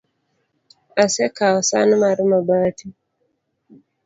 Asekawo san mar mabati